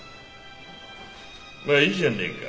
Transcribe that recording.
まあいいじゃねえか。